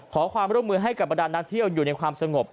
ขอความร่วมมือให้กับบรรดานนักเที่ยวอยู่ในความสงบ